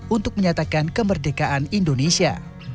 untuk menyatakan kemerdekaan indonesia